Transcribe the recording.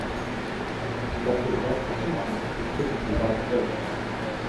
The method of execution was typically by stoning.